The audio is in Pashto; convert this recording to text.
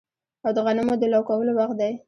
او د غنمو د لو کولو وخت دی